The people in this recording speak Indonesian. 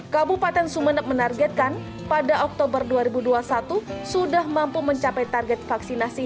kabupaten sumeneb menargetkan pada oktober dua ribu dua puluh satu sudah mampu mencapai target vaksinasi